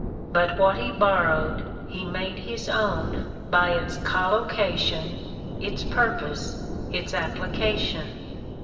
But what he borrowed he made his own by its collocation, its purpose, its application.